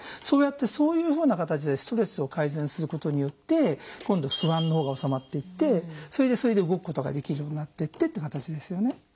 そうやってそういうふうな形でストレスを改善することによって今度不安のほうが治まっていってそれで動くことができるようになってってっていう形ですよね。